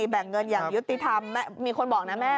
แบ่งเงินอย่างยุติธรรมมีคนบอกนะแม่